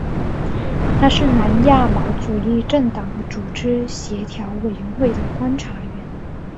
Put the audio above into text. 它是南亚毛主义政党和组织协调委员会的观察员。